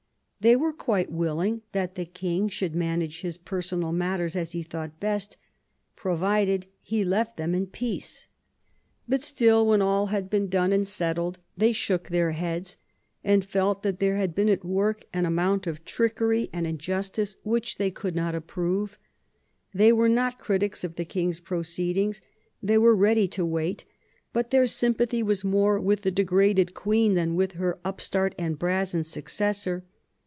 They were quite willing that the King should manage his personal matters as he thought best, provided he left them in peace. But still, when all had been done and settled, they shook their heads, and felt that there had been at work an amount of 4 QUEEN ELIZABETH, trickery and injustice which they could not approve. They were not critics of the King's proceedings, and they were ready to wait; but their sympathy was more with the degraded Queen than with her upstart and brazen successor.